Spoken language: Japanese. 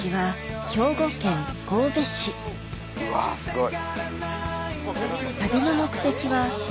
うわすごい。